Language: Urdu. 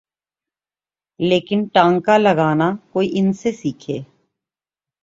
لیکن ٹانکا لگانا کوئی ان سے سیکھے۔